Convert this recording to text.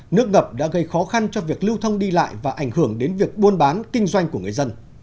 nước ngập đã gây khó khăn cho việc lưu thông đi lại và ảnh hưởng đến việc buôn bán kinh doanh của người dân